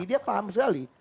dia paham sekali